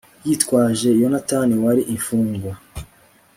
yitwaje yonatani wari imfungwa